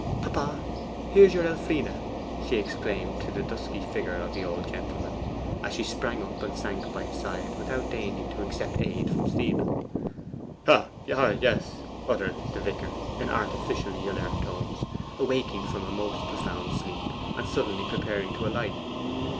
'Papa, here is your Elfride!' she exclaimed to the dusky figure of the old gentleman, as she sprang up and sank by his side without deigning to accept aid from Stephen. 'Ah, yes!' uttered the vicar in artificially alert tones, awaking from a most profound sleep, and suddenly preparing to alight.